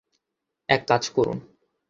এক কাজ করুন।